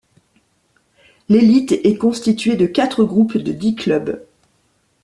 L'élite est constituée de quatre groupes de dix clubs.